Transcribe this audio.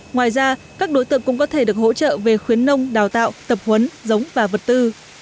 ngoài ra các đối tượng cũng có thể được hỗ trợ về khuyến nông đào tạo tập huấn giống và vật tư